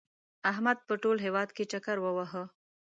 احمد په ټول هېواد کې چکر ووهه.